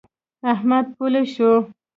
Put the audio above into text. احمد پولۍ شو.